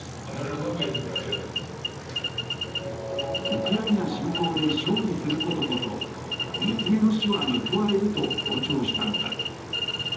ウクライナ侵攻で勝利することこそ娘の死は報われると強調したのだ。